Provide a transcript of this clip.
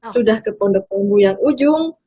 sudah ke pondok pombu yang ujung